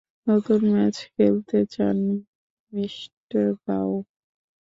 নতুন ম্যাচ খেলতে চান, মিঃ গাও?